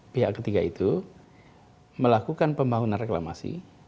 pihak ketiga itu melakukan pembangunan reklamasi